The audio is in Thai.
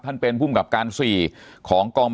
ท่านเป็นผู้กรรมการสี่ของกอง